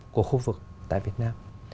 của khu vực tại việt nam